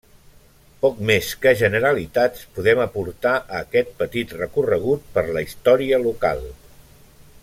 Poc més que generalitats podem aportar a aquest petit recorregut per la història local.